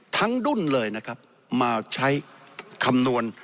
ดุ้นเลยนะครับมาใช้คำนวณ